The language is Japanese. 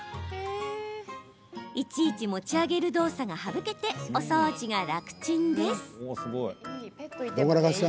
いちいち持ち上げる動作が省けてお掃除が楽ちんです。